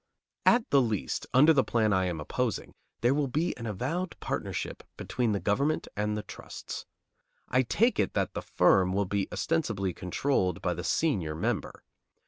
At the least, under the plan I am opposing, there will be an avowed partnership between the government and the trusts. I take it that the firm will be ostensibly controlled by the senior member.